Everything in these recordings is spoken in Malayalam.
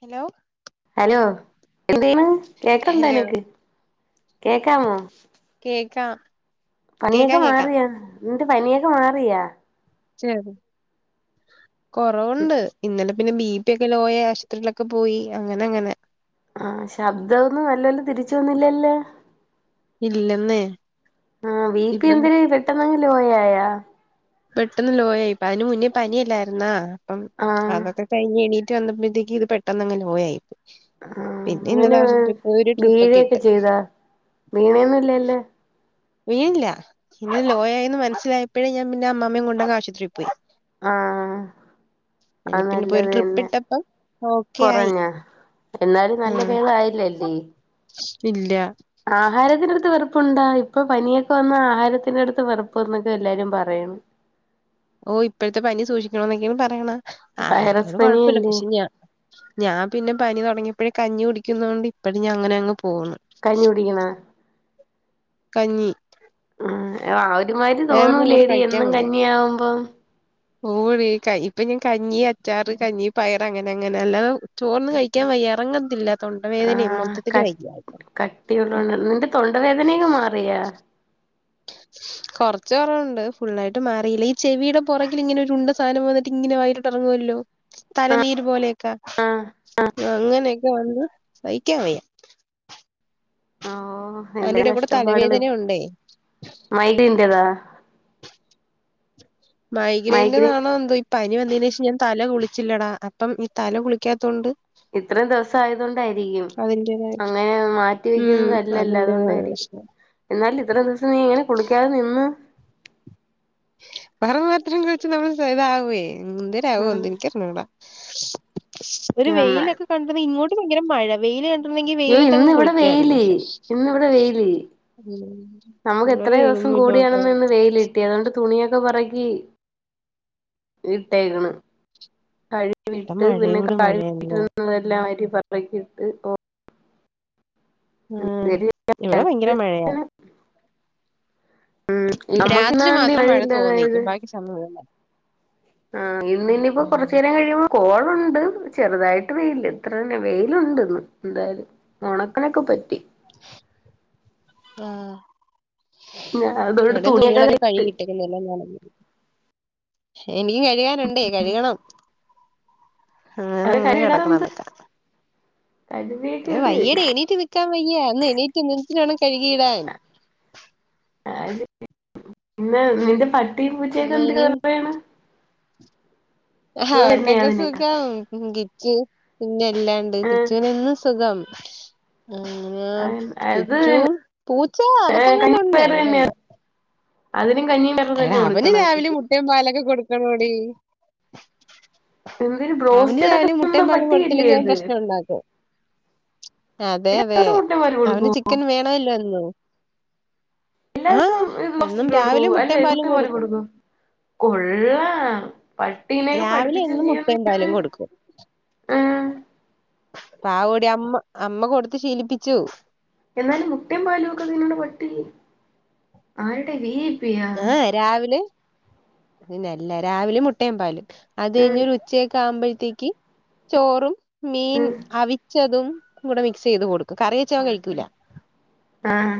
ഹലോ ഹലോ എന്തേനു കേക്കണ്ടോ ഹലോ നിനക്ക് കേക്കാമോ കേക്കാം കേക്കാം പനിയൊക്കെ കേക്കാം മാറിയാ നിന്റെ പനിയൊക്കെ മാറിയാ ശരി കൊറവുണ്ട് ഇന്നലെ പിന്നെ ബി കുപ്പിയൊക്കെ ലോയി ആശുത്രിയിലൊക്കെ പോയി അങ്ങനെങ്ങനെ ആഹ് ശബ്ദംന്നും നല്ലല്ലും തിരിച്ചു വന്നില്ലല്ലേ ഇല്ലെന്നേ ഉം വീപി ഇപ്പം എന്തില പെട്ടെന്നെങ്കിൽ ലോയായാ പെട്ടെന്ന് ലോയായി ഇപ്പ അതിന് മുന്നേ പനി അല്ലായിരുന്ന അപ്പം ആഹ് അതൊക്കെ കൈഞ് എണീറ്റ് വന്നപ്പോഴേക്ക് ഇത് പെട്ടന്നങ്ങെ ലോയയി ആഹ് അങ്ങനെ ഒരു ട്രിപ്പൊക്കെ വീഴൊക്കെ ഇട്ട് ചെയ്താ വീണയൊന്നുംല്ലല്ലേ വീണില്ല ഇന്ന് ലോയയിന്ന് മനസ്സിലായപ്പോഴേ ഞാൻ പിന്നെ അമ്മ്മയും കൊണ്ടങ് ആശുപത്രിയിൽ പോയി ആഹ് അങ്ങനെ അത് പിന്നെ പോയി ഒരു നല്ലത് ട്രിപ്പ് തന്നെ ഇട്ടപ്പം ഓക്കെ ആയി കുറഞ്ഞാ എന്നാലും നല്ല ഉം ബേധം അയില്ലല്ലേ ഇല്ല ആഹാരത്തിന്റെ അടുത്ത് വെറപ്പുണ്ടാ ഇപ്പൊ പനിയൊക്കെ വന്ന ആഹാരത്തിന്റെ അടുത്ത് വെറുപ്പന്നൊക്കെ എല്ലാരും പറയാണ് ഓഹ് ഇപ്പോഴത്തെ പനി സൂക്ഷിക്കണന്നൊക്കൊണ് പറയണ വൈറസ് ആഹാരത്തിനോട് കുഴപ്പില്ല പനിയല്ലേ പക്ഷെ ഞാൻ ഞാൻ പിന്നെ പനി തുടങ്ങിയപ്പോഴേ കഞ്ഞി കുടിക്കുന്നതൊണ്ട് ഇപ്പഴും ഞാ അങ്ങനെ അങ്ങ് പോകുന്നു കഞ്ഞി കുടിക്കണ കഞ്ഞി ഉം അവ ഒരുമാതി വേറൊന്നും ഇങ്ങോട്ട് തോന്നൂലേഡി എന്നും കന്നിയാവുമ്പം ഓഴീക്കായി ഇപ്പ ഞാൻ കഞ്ഞി അച്ചാറ് കഞ്ഞി പയറങ്ങനെ അങ്ങനെ അല്ലാതെ ചോർന്ന് കഴിക്കാൻ വയ്യ എറങ്ങത്തില്ല തൊണ്ടവേദനിം മൊത്തത്തില് വയ്യായ്ക കട്ടിയുളള്ള നിന്റെ തൊണ്ടവേദനെക്കെ മാറിയാ [inaudible] കൊറച്ച് കൊറവുണ്ട് ഫുള്ളായിട്ട് മാറിയില്ല ഈ ചെവിയുടെ പുറകിലിങ്ങനൊരുണ്ട സാധനം വന്നിട്ടിങ്ങനെ വായിലിട്ടെറങ്ങോവല്ലോ? തലനീര് പോലെയൊക്കാ ആഹ് അങ്ങനെക്കെ വന്ന് സയ്ക്കാൻ വയ്യ ആഹ് അതിന്റെ എന്തര് എടേ കൂടെ കഷ്ടപ്പാട് തലവേദന ഉണ്ടേ മൈടിന്റെതാ മൈഗ്രെൻ മൈഗ്രൈന്റതാണോ ന്തോ ഇ പനി വന്നിനേഷം ഞാൻ തല കുളിച്ചില്ലടാ അപ്പം ഈ തല കുളിക്കാത്തൊണ്ട് ഇത്രേം ദിവസം ആയതോണ്ടായിരിക്കും അതിന്റേതായ അങ്ങനെ മാറ്റി ഉം വെക്കുന്നതല്ലല്ലോ അതിന്റേതായ അതൊണ്ടായിരിക്കും. പ്രശ്നം ഇന്നാലും ഇത്രയും ദിവസം നീ എങ്ങനെ കുളിക്കാതെ നിന്ന് പറവ് മാത്രം കഴിച്ചു നമ്മള് സരാവേ എന്തേരവോ ഉം എന്ദോ ഇൻക്കറിഞ്ഞൂടാ ഒരു നന്നായി വെയിലൊക്കെ കണ്ടിറ ഇങ്ങോട്ട് ഭയങ്കര മഴ വെയില് യിലാണെങ്കി അയ്യോ വെയിലത്തെങ്ങ് ഇന്നിവിടെ കുളിക്കായിരുന്നു വെയില് പക്ഷെ ഇന്നിവിടെ വെയില് ഉം ഇവടെ വെയിലൊന്നുംല്ലക്ക കിട്ടിയതോണ്ട് തുണിയൊക്കെ പറക്കി ഇട്ടേക്കണ് കഴി വിട്ട് പിന്നെ ഇവിടെ മഴയോട് കഴി മഴയന്നെ ട്ടുള്ളതെല്ലാം ആറ്റി പറ റക്കിട്ട് ഓഹ് ആഹ് ഇവിടെ ഭയങ്കര മഴയാ ഉം നമ്മുക്ക്ന്ന ന്തി വഴിയില്ല അതായത് ന്നുവല്ല ആഹ് ഇന്നിനിപ്പൊ കൊറച്ചേരം കഴിയുമ്പോ കോളുണ്ട് ചെറുതായിട്ട് വെയില് ഇത്രന്നെ വെയിലുണ്ട് എന്തായാലും ഒണക്കനൊക്കെ പറ്റി ആഹ് ഞാൻ അതുകൊണ്ട് ഇവടേം തുണിയൊക്കെ തുണികളൊക്കെ ഇട്ട് കഴുകി ട്ടിരുന്നല്ലോ നനഞ്ഞു ഇനി ഇട്ട് ഴ്കാനുണ്ടേയ് കഴ്കണം അങ്ങന ങ്ങനെ കിടക്കണതൊക്കെ കഴ് അത്രേം വയ്യടി എണീറ്റ് നിക്കാവയ്യ അന്ന് എണീറ്റ നിന്റ്റ് വേണം കഴുകിയിടാൻ അത് പിന്നെ നിന്റെ പട്ടി പൂച്ചൊക്കെ ഇനി എന്തൊരുപറയണ്? ഹാ വർക്കൊക്കെ സുഖം ഗിച്ച് പിന്നെല്ലാണ്ട് കിച്ചുനെന്നുംസുഖം- ഉം ആഹ് കിച്ചും പൂച്ച ഏഹ് അകത്തങ്ങണ്ട കഞ്ഞി ഒണ്ട് പയറ് ഇവിടെ തന്നെയാ അതിനും കഞ്ഞി പയറുതന്നെ കൊടുക്കണേ? മുട്ടേ പാലൊക്കെ കൊടുക്കണോടി- എന്തൊരു അവന് ബ്രോസ്റ്റഡ് ഒക്കെ രാവിലെ തിന്നുന്ന മുട്ടയും പാലും പട്ടിയല്ലേ കൊടുത്തില്ലെങ്കി അവൻ അത് പ്രശ്നോണ്ടാക്കും. അതെ എല്ലാ അതെ ദിവസവും മുട്ടമോര് അവന് കൊടുക്കോ ചിക്കൻ വേണല്ലോന്നും- എല്ലാ ദിവസവും ഇത് വസ്റ്റ് ട്ടൊട്ക്കോ? അല്ലെ പാലും മുട്ടെ കൊടുക്കും പാലുകൊടുക്കോ? കൊള്ളാ പട്ടീനെലും രാവിലെ എന്നും മുട്ടയും പഠിപ്പിച്ചുചീയുംന്നാ പാലും കൊടുക്കും പാവോടി അമ്മ അമ്മ കൊടുത്ത് ശീലിപ്പിച്ചു. എന്നാലും മുട്ടയം പാലൊക്കെ തിന്നണ പട്ടി ആരൊടെ വീഐപിയാ? രാവിലേം? പിന്നെല്ലാ രാവിലേം മുട്ടയം പാലും. അത് ഉം കയിഞ്ഞൊരു ഉച്ചെക്കെ ആവുമ്പോത്തേക്ക് ചോറും മീൻ ഉം അവിച്ചതും കൂടെ മിക്സ് ചെയ്ത് കൊടു കറി വെച്ചവൻ കയിക്കൂല- ആഹ്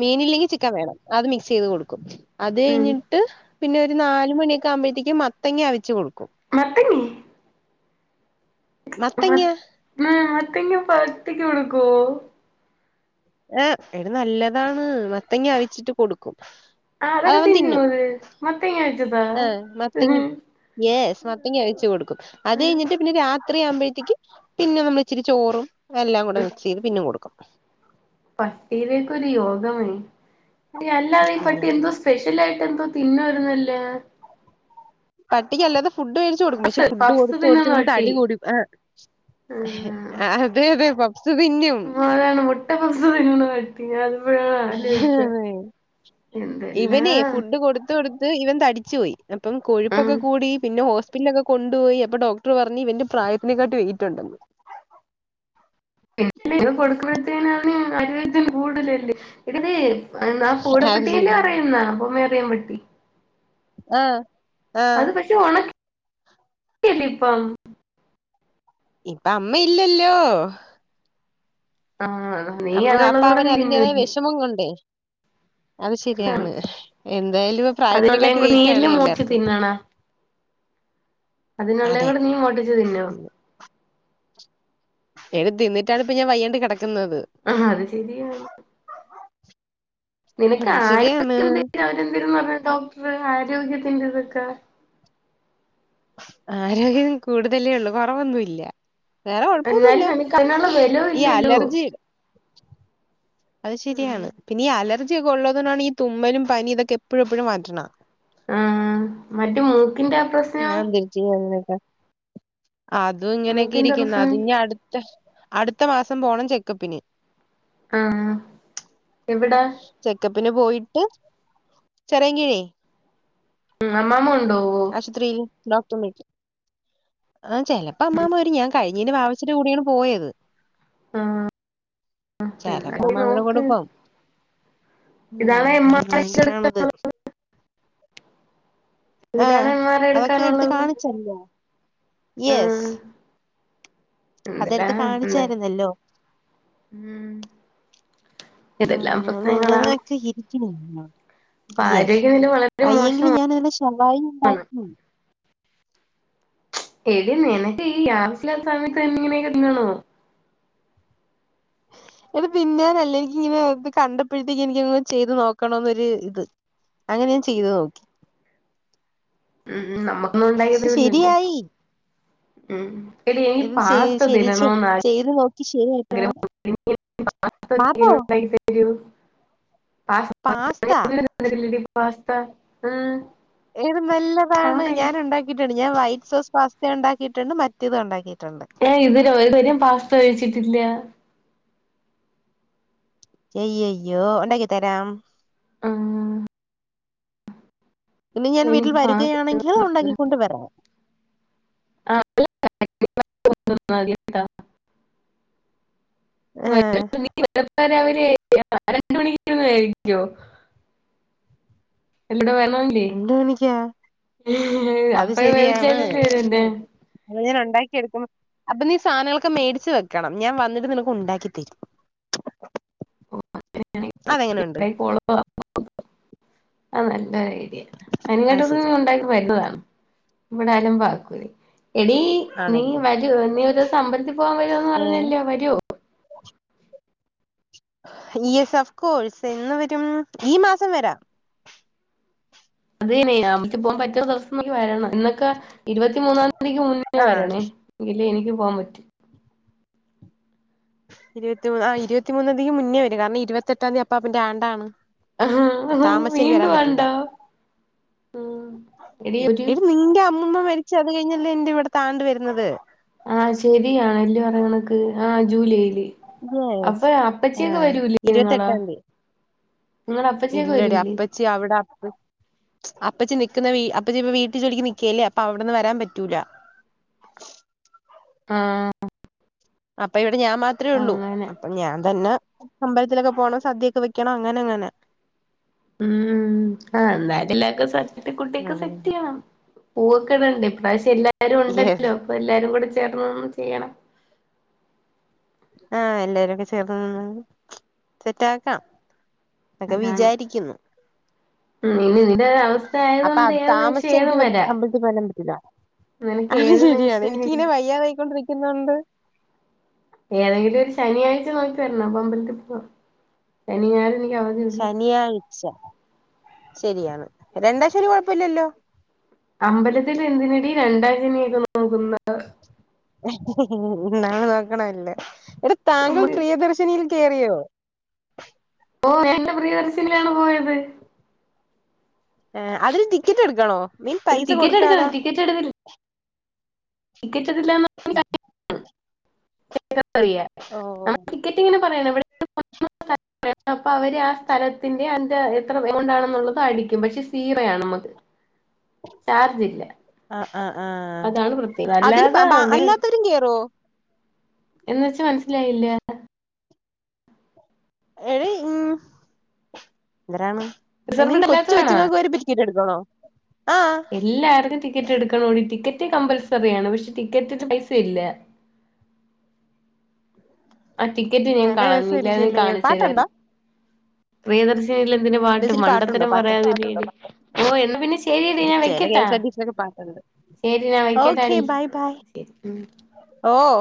മീനില്ലെങ്കിൽ ചിക്കൻ വേണം അത് മിക്സ് ചെയ്ത് കൊടുക്കും അത് ഉം കെയിഞ്ഞിട്ട് പിന്നെ ഒരു നാല് മണിയൊക്കെ ആവുമ്പഴത്തേും മത്തങ്ങ അവച്ച് കൊടുക്കും- മത്തൻങ്ങേ? ഉമ മത്തങ്ങ ഉം മത്തയ്ങ്ങ പച്ചക്ക് കൊടുക്കോ? ഏഹ് എടീ നല്ലതാണ് മത്തങ്ങ അവിച്ചിട്ട് കൊടുക്കും. ആഹ് അതൊക്ക അതവൻ തിന്നുവോ തിന്നും അത്. മത്തങ്ങ വച്ചതാ. ആഹ് മത്തങ്ങ ഉം. യെസ് മത്തങ്ങ വെച്ചു കൊടുക്കും. അത് കഴിഞ്ഞിട്ട് പിന്നെ രാത്രിയാവുമ്പോഴത്തേക്ക് പിന്നെ നമ്മള് ഇച്ചിരി ചോറും എല്ലാം കൂടെ മിക്സ് ചെയ്ത് പിന്നെയും കൊടുക്കും. പട്ടിയിടെയൊക്ക ഒരു യോഗമേ. എടീ അല്ലാതെ ഈ പട്ടി എന്തോ സു സ്പെഷ്യൽ ആയിട്ട് എന്തോ തിന്നുവായിരുന്നല്ല? പട്ടിക്ക് അല്ലാതെ ഫുഡ് മേടിച്ചു കൊടുക്കും. പക്ഷെ ഫുഡ് പഫ്സ് കൊടുത്ത് കൊടുത്ത് തിന്നുന്ന പിന്നെ പട്ടി തടി കൂടി ആ ഏഹ് അതെ അതെ പഫ്സ് തിന്നും. അതാണ് മുട്ട പഫ്സ് തിന്നുന്ന [unintelligible] ഞാനിപ്പഴാണ് ആലോചിച്ചേ. എന്തെല്ലാ ഇവനെ ഫുഡ് കൊടുത്ത് കൊടുത്ത് ഇവൻ തടിച്ചു പോയി. അപ്പം ആ കൊഴുപ്പൊക്കെ കൂടി പിന്നെ ഹോസ് പിറ്റലിലൊക്കെ കൊണ്ടുപോയി അപ്പൊ ഡോക്ടർ പറഞ്ഞ് ഇവന്റെ പ്രായത്തിനേക്കാട്ടി വെയിറ്റുണ്ടെന്ന്. [unintelligible] കൊടുക്കണത്തേന് അവന് [unintelligible] കൂടുതലല്ലേ എടീ ഇത് എന്താ അത് പൂടപ്പട്ടീൻ്റെ ശരി അറിയുന്നാ. പൊമേറിയൻ പട്ടി ഏഹ് അത് പക്ഷെ ഉണക്കി അല്ലെ ഇപ്പം. ഇപ്പം അമ്മ ഇല്ലല്ലോ ആഹ് നീ ഒരെണ്ണം കൂടെ നീ തിന്നുവായിരിക്കും. മം കൊണ്ടേ അത് ശരിയാണ്. എന്തായാലും ആഹ് അതിനുള്ളേം പ്രായത്തിനെക്കാട്ടി കൂടെ വെയിറ്റാണ് നീയല്ലേ മോടിച്ച് എല്ലാർക്കും അതിനുള്ളേയും അതെ കൂടി നീ മോട്ടിച്ചു തിന്നോ? എടി തിന്നിട്ടാണ് ഇപ്പ ഞാൻ വയ്യാണ്ട് കിടക്കുന്നത്. ആഹ് അത് ശരിയാണ്. നിനക്ക് അത് ആരോഗ്യ ശരിയാണ് എന്തേര് അവരെന്തേരുന്ന് പറഞ്ഞ് ഡോക്ടർ ആരോഗ്യത്തിൻ്റെ ഇതൊക്കെ? ആരോഗ്യം കൂടുതലേ ഉള്ളൂ. കുറവൊന്നൂല്യ വേറെ കൊഴപ്പൊന്നൂല്ല. എന്നാലും നിനക്ക് അതിനുള്ള ബലവും ഈ ഇല്ലല്ലോ അലർജി അത് ഉം ശരിയാണ്. പിന്നെ ഈ അലർജിയൊക്കെ ഉള്ളതുകൊണ്ടാണ് ഈ തുമ്മലും പനി ഇതൊക്കെ എപ്പോഴും എപ്പോഴും മാറ്റണേ ആഹ് മറ്റേ മൂക്കിന്റെ പ്രശ്നം ഞാൻ തിരിച്ചക്കിങ്ങനൊക്കെ. അതും ഇങ്ങനൊക്കെ മൂക്കിന്റെ ഇരിക്കുന്നു. പ്രശ്നം അതിനി അടു ട്ട് അടുത്ത മാസം പോണം ചെക്കപ്പിന്. ആഹ് എവിടെ ചെക്കപ്പിന് പോയിട്ട് ചിറയൻകീഴേ. ഉം അമ്മാമ്മ കൊണ്ടുപോവോ ഇത്രേം ഡോക്‌ടർ [unintelligible] ചെലപ്പെ അമ്മാമ്മ വരും. കഴിഞ്ഞേന് വാവച്ചീടെ കൂടെയാണ് പോയത്. ആഹ് എന്താ ചിലപ്പോ അമ്മാമ്മേടെ കൂടെ നോക്ക് പോവും. ഉം ഇതാണ് ഭയങ്കരാണിത് [unintelligible] ഇതിലാണ് എം ആർ ഐ എടുക്കാനുള്ളത്. ചെല്ലാ യെസ്. ആഹ് അതെടുത്ത് എന്തെല്ലാം ഉണ്ട് കാണിച്ചായിരുന്നല്ലോ. ഉം അതെല്ലാം പ്രശ്നങ്ങളാണ്. ഇരിക്കണേരുന്ന അപ്പൊ യെസ് ആരോഗ്യനില വളരെ വയ്യെങ്കിലും ഞാൻ മോശമാണ് അതിന് ശവായി ഉണ്ടാക്കി. എടീ നിനക്ക് ഈ ആവശ്യമില്ലാത്ത സമയത്ത് ഇങ്ങനെയൊക്കെ തിന്നണോ. എടീ തിന്നാനല്ല എനിക്കിങ്ങനെ ഇത് കണ്ടപ്പോഴത്തേക്ക് എനിക്കങ്ങ് ചെയ്ത് നോക്കണന്നൊരു ഇത്. അങ്ങനെ ഞാൻ ചെയ്ത് നോക്കി. ഉം ഉം നമ്മക്ക് ന്നുണ്ടാക്കി പക്ഷെ തരുന്നില്ലല്ല് ശരിയായി ഉം എടീ എനിയ്ക്ക് പാസ്‌ത തിന്നണോന്ന് ആ അത് നോക്കി ശരിയായിട്ടു വേണം പാപ്പോ യ്യോ പാസോ പാസ്ത്ത [unintelligible] പാസ്ത ഉം ഏത് നല്ലതാണ് പാസ്തേ ഞാൻ ഉണ്ടാക്കി യിട്ടുണ്ട് ഞാൻ വൈറ്റ് സോസ്പാസ്തയും ഉണ്ടാക്കിയിട്ടുണ്ട് മറ്റേതും ഉണ്ടാക്കിയിട്ടുണ്ട് ഏ ഇതില ഒരു വരും പാസ്ത കഴിച്ചിട്ടില്ല അയ്യയ്യയ്യോ ഉണ്ടാക്കി തരാം ആഹ് ഇന്ന് ഞാൻ വീട്ടിൽ എനിക്ക് പാസ്ത വരുകയാണെങ്കില് തിന്നണോന്ന് ഉണ്ടാക്കിക്കൊണ്ട് വരാം ആഹ് [unintelligible] ആഹ് അവര് രണ്ട് മണിക്കന്ന് ആയിരിക്കോ [unintelligible] എടെ [unintelligible] രണ്ട് മണിക്ക്യാ അപ്പഴ വേവിച്ച [unintelligible] അപ്പൊ ഞാൻ ഉണ്ടാക്കിയെടുക്കും അപ്പൊ നീ സാനങ്ങളൊക്കെ മേടിച്ച് വെക്കണം ഞാൻ വന്നിട്ട് നിനക്ക് ഉണ്ടാക്കി തരും അഹ് അതെങ്ങനെയുണ്ട് [unintelligible] [unintelligible] അത് ശരിയാ ഉണ്ടാക്കി വരുന്നതാണ് ഇവിടെ അലപാക്കൂല എടീ നീ ആണല്ലേ വരെ നീ ഒരുസമ്പലത്തിൽ പോവാൻ വരുവന്ന് ഏഹ് പറഞ്ഞല്ലോ വരെ [inaudible] യെസ് ഓഫ് കോഴ്സ് എന്ന് വരും ഈ മാസം വരാം അതേനെ [unintelligible] പോകാൻ പറ്റുന്ന ദിവസം വരണം എന്നൊക്കെ ഇരുപത്തിമൂന്നാം തീയതിക്ക് മുന്നേ ആഹ് വരണേ എങ്കിലെ എനിക്ക് പോവാൻ പറ്റു ഇരുപത്തി മൂന്ന് ആഹ് ഇരുത്തി മൂന്നാം തീയതിക്ക് മുന്നേ വരു കാരണം ഇരുവത്തെട്ടാന്തി അപ്പാപ്പാൻ്റെ ആണ്ടാണ് താമസിച്ചാൽ എനിക്ക് വീണ്ടും വരാൻ പറ്റൂല ഉണ്ടോ ഉം എടീ ഒരു ഇടി നിൻ്റെ അം മുന്മ മരിച്ച അത് കഴിഞ്ഞല്ലേന്റെ ഇവിടത്താണ്ട് വരുന്നത് ആഹ് ശെരിയാണ് എല് പറങ്ങണക്ക് ആഹ് ജൂലൈയില് അപ്പ അപ്പച്ചിയൊക്കെ ആഹ് വരൂലേ നിങ്ങള ഇരുപത്തെട്ടാം തീയതി നിങ്ങള അപ്പച്ചിയൊക്കെ വരൂലേ ച്ചി അവട അപ്പച്ചി നിക്കുന്ന വീ അപ്പച്ചിപ്പ വീട്ട് ജോലിക്ക് നിക്കല്ലേ അപ്പൊ അവ്ട്ന്ന് വരാൻ പറ്റൂല ആഹ് അപ്പ ഇവിടെ ഞാൻ മാത്രേ അപ്പ ഉള്ളൂ അങ്ങനെ അപ്പ ഞാൻ തന്നെ അമ്പലത്തിലൊക്കെ പോണം, സദ്യയൊക്കെ വെക്കണം, അങ്ങനെ അങ്ങനെ ഊം ആ [unintelligible] കുട്ടിക്ക് സെറ്റ്യ്യണം പൂവൊക്കെ ഇടണ്ടെ, ഇപ്രാവശ്യം എല്ലാരും ഉണ്ടല്ലോ, അപ്പൊ എല്ലാരും കൂടെ ചേർന്ന് ഒന്ന് ചെയ്യണം ആഹ്, എല്ലാരൂടെ ചേർന്ന് നിന്ന്, സെറ്റ് ആക്കാം ഒക്കെ അതാണ് വിചാരിക്കുന്നു ഉം ഇനി നിന്റെ ഒരവസ്ഥയത് കൊണ്ട് [unintelligible] വരാ ത്തി പോവാനൊന്നും പറ്റൂല. ആഹ് ശരിയാണ്. നിമിഷം എനിക്കിങ്ങനെ വയ്യാതായികൊണ്ട് നിക്കുന്നെകൊണ്ട് ഏതെങ്കിലും ഒരു ശനിയാഴ്ച നോക്കി വരണം. അപ്പമ്പലത്തി പോവാം. ശനി ഞാൻ ശനിയാഴ്ച ശരിയാണ്, രണ്ടാശനി കൊഴപ്പഇല്ലല്ലോ അമ്പലത്തിലെന്തിനടി രണ്ടാ ശനിയെക്കെ നോക്കുന്ന നള് നോക്കണവല്ല. എടി താങ്കൾ നമ്മള് പ്രിയദർശിനിയിൽ കേറിയോ ഓഹ് ഞാ ഇന്ന് പ്രിയദർശിനിയിലാണ് പോയത് ഏഹ് അതിൽ ടിക്കറ്റ് എടുക്കണോ? മിൻ പൈസ കൊടുക്കാതാ ചടവിൽ [unintelligible] ടിക്കറ്റിടില്ലാന്ന് ഉ [unintelligible] ഓ നമ്മ ടിക്കറ്റിങ്ങനെ പറയാന ഇവിടെ [unintelligible] അപ്പൊ അവര് ആ സ്ഥലത്തിന്റെ അന്റെ എത്ര എമൗണ്ടാണെന്നുള്ളത് അടിക്കും. പക്ഷെ സീറയാ നമ്മക്ക് ചാർജി ല്ല അഹ് അഹ് ആഹ് അതിന് അല്ലാതെ ബാ അല്ലാത്തോരും കേറോ എന്ന്വച്ചാ മൻസ്സിലായില്ലാ [unintelligible] ഐ മീൻ റിസർവ്ഡ് കൊച്ചു അല്ലാത്തതാണോ കൊച്ചുങ്ങക്ക് വരെ പ ടികെറ്റെട്ക്കണോ എല്ലാർക്കും ടിക്കറ്റ് എട്ക്കണോടി, ടിക്കറ്റ് കമ്പൾസറിയാണ് പക്ഷെ ടിക്കറ്റ്ന് പൈസ ഇല്ല അഹ് ടിക്കറ്റ് ഞാൻ നല്ല കളഞ്. ഇല്ലായിരുന്നെ രസായിരിക്കുല്ലേ പാട്ടുണ്ടോ കാണിച്ചരായിരുന്നു. പ്രിയദർശ് നിലെന്തിന് പാട്ട്, ബസ്സിൽ പാട്ടുണ്ടോ മണ്ടത്തരം പാട്ട് പറയാതെടി യെടി, ഓഹ് എന്നാ പിന്നെ ശെരിയെടി ഞാൻ വെക്കട്ടേ കണ്ട് ശരിന്നാ വെക്കട്ടാടി ശരി ഉം ഓഹ്